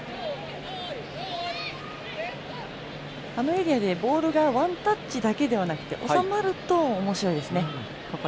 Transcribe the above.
エリアでボールがワンタッチだけでなくて収まると、おもしろいですね。